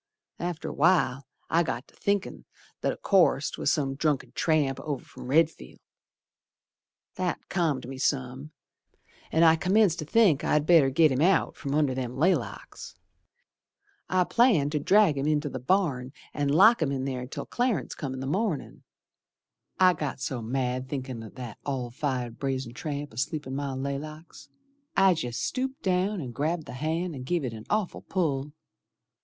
After a while I got to thinkin' that o' course 'Twas some drunken tramp over from Redfield. That calmed me some, An' I commenced to think I'd better git him out From under them laylocks. I planned to drag him in t' th' barn An' lock him in ther till Clarence come in th' mornin'. I got so mad thinkin' o' that all fired brazen tramp Asleep in my laylocks, I jest stooped down and grabbed th' hand and give it an awful pull.